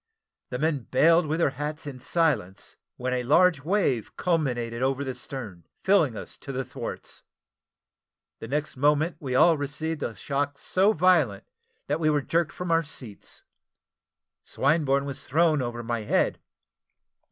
The men baled with their hats in silence, when a large wave culminated over the stern, filling us up to our thwarts. The next moment we all received a shock so violent, that we were jerked from our seats. Swinburne was thrown over my head.